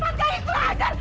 mati lagi kurang ajar